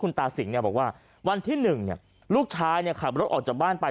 คุณตาสิงห์เนี่ยบอกว่าวันที่๑เนี่ยลูกชายเนี่ยขับรถออกจากบ้านไป